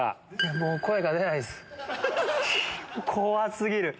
もう声が出ないっす怖過ぎる。